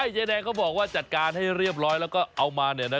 ยายแดงเขาบอกว่าจัดการให้เรียบร้อยแล้วก็เอามาเนี่ยนะ